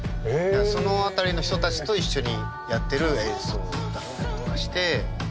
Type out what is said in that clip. その辺りの人たちと一緒にやってる演奏だったりとかして。